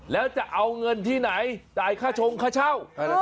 แล้วจะเอาเงินที่ไหนจ่ายค่าชงค่าเช่า